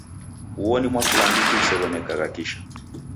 Uo ni mwaklambiti usew'onekagha kisha.